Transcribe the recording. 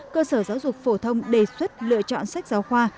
cơ sở giáo dục phổ thông đề xuất lựa chọn sách giáo khoa